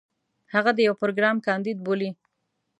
هغه د يو پروګرام کانديد بولي.